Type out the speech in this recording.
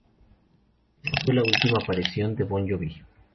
Esa fue su última aparición con Bon Jovi.